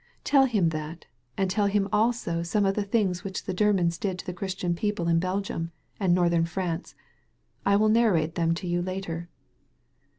Tell him that, and tell 170 SKETCHES OF QUEBEC him also some of the things which the Germans did to the Christian people in Belgium and Northern France. I will narrate them to you later."